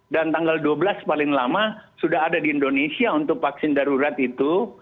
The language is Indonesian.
dan tanggal dua belas paling lama sudah ada di indonesia untuk vaksin darurat itu